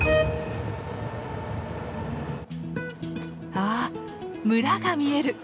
あ村が見える！